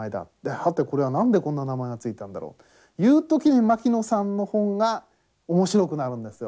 はてこれは何でこんな名前が付いたんだろうという時に牧野さんの本が面白くなるんですよ。